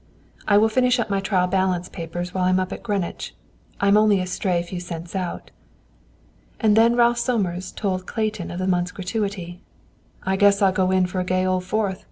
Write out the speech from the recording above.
"I will finish my trial balance papers while I'm up at Greenwich. I'm only a stray few cents out." And then Ralph Somers told Clayton of the month's gratuity. "I guess I'll go in for a gay old Fourth!"